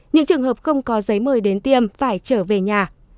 những trường hợp không có giấy mời đến tiêm phải trở về nhà